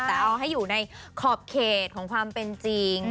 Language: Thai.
แต่เอาให้อยู่ในขอบเขตของความเป็นจริง